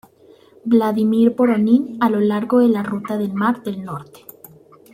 Vladímir Voronin, a lo largo de la Ruta del mar del Norte.